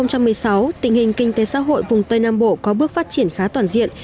năm hai nghìn một mươi sáu tình hình kinh tế xã hội vùng tây nam bộ có bước phát triển khá toàn diện